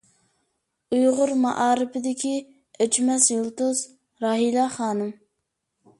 ئۇيغۇر مائارىپىدىكى ئۆچمەس يۇلتۇز — راھىلە خانىم.